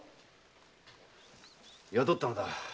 雇ったのだ。